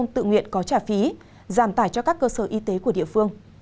tự nguyện có trả phí giảm tải cho các cơ sở y tế của địa phương